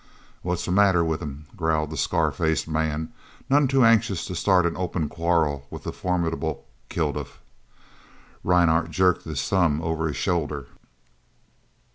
"What's the matter with him?" growled the scar faced man, none too anxious to start an open quarrel with the formidable Kilduff. Rhinehart jerked his thumb over his shoulder.